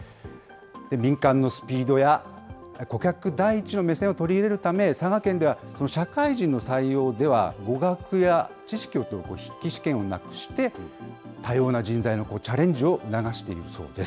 民間のスピードや、顧客第一の目線を取り入れるため、佐賀県では、社会人の採用では語学や知識を問う筆記試験をなくして、多様な人材のチャレンジを促しているそうです。